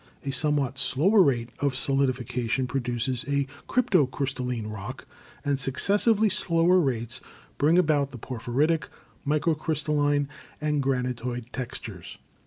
A somewhat slower rate of solidification produces a crypto crystalline rock, and successively slower rates bring about the porphyritic, microcrystalline and granitoid textures.